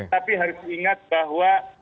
tapi harus diingat bahwa